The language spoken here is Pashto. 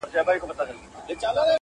چې دا دنیا د زړه مات والي ځای دی